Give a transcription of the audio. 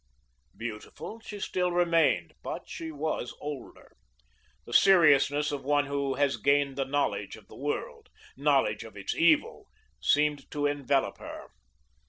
Beautiful she still remained, but she was older. The seriousness of one who has gained the knowledge of the world knowledge of its evil seemed to envelope her.